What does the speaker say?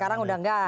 sekarang udah enggak